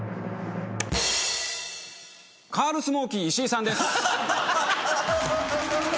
カールスモーキー石井さんです。